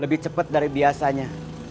lebih cepat dari biasanya